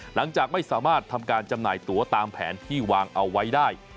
หลังจากไม่สามารถทำการจำหน่ายตัวตามแผนที่วางเอาไว้ได้